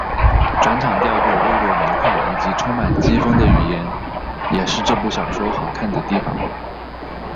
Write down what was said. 转场调度俐落明快以及充满机锋的语言也是这部小说好看的地方。